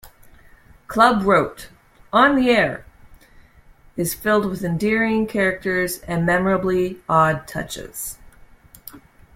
Club wrote: "On the Air" is filled with endearing characters and memorably odd touches.